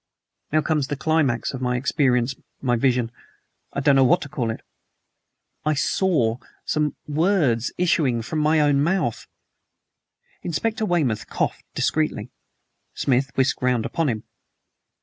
Now comes the climax of my experience my vision I don't know what to call it. I SAW some WORDS issuing from my own mouth!" Inspector Weymouth coughed discreetly. Smith whisked round upon him.